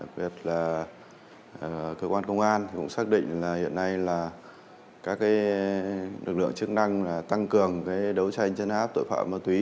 và cơ quan công an cũng xác định là hiện nay là các lực lượng chức năng tăng cường đấu tranh chân áp tội phạm ma túy